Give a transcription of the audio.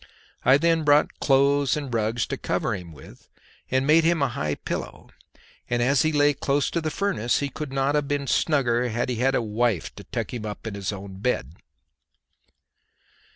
I then brought clothes and rugs to cover him with, and made him a high pillow, and as he lay close to the furnace he could not have been snugger had he had a wife to tuck him up in his own bed.